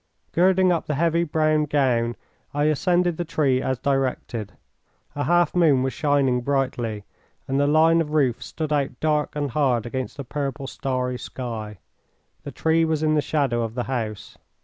Girding up the heavy brown gown, I ascended the tree as directed. A half moon was shining brightly, and the line of roof stood out dark and hard against the purple, starry sky. The tree was in the shadow of the house.